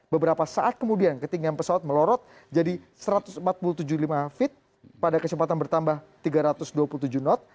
beberapa saat kemudian ketinggian pesawat melorot jadi satu ratus empat puluh tujuh lima feet pada kecepatan bertambah tiga ratus dua puluh tujuh knot